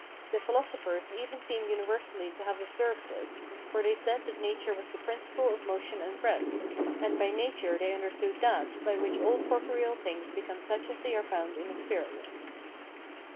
The philosophers even seem universally to have observed this, for they said that nature was the principle of motion and rest, and by nature they understood that by which all corporeal things become such as they are found in experience.